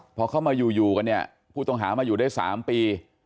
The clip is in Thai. พอเข้ามาอยู่กันเนี่ยผู้ต้องหามาอยู่ได้๓ปี